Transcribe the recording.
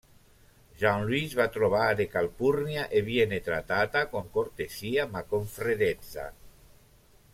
Jean Louise va a trovare Calpurnia e viene trattata con cortesia ma con freddezza.